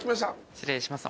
失礼します。